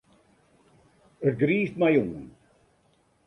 It griist my oan.